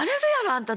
あんた。